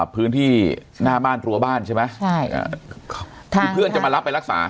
พื้นที่หน้าบ้านรั้วบ้านใช่ไหมใช่คือเพื่อนจะมารับไปรักษา